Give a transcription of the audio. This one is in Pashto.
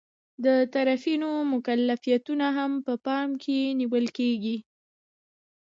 د طرفینو مکلفیتونه هم په پام کې نیول کیږي.